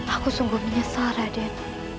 aku sungguh menyesal raden